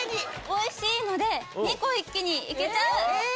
おいしいので、２個一気にいけちゃう。